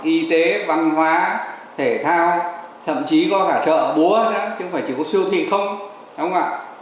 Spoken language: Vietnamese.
chế văn hóa thể thao thậm chí có cả chợ búa chứ không phải chỉ có siêu thị không